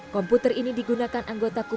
komputer ini digunakan anggota